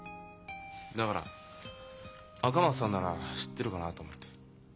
だから赤松さんなら知ってるかなと思って。